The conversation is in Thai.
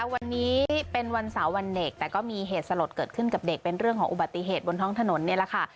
วันนี้เป็นวันเสาร์วันเด็กแต่ก็มีเหตุสลดเกิดขึ้นกับเด็กเป็นเรื่องของอุบัติเหตุบนท้องถนนนี่แหละค่ะ